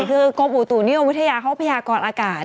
คือกรมอุตุนิยมวิทยาเขาพยากรอากาศ